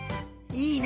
いいね！